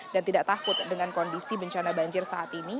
dan tidak takut dengan kondisi bencana banjir saat ini